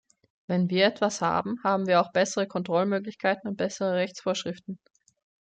Wenn wir etwas haben, haben wir auch bessere Kontrollmöglichkeiten und bessere Rechtsvorschriften.